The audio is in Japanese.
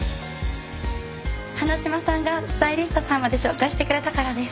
花島さんがスタイリストさんまで紹介してくれたからです。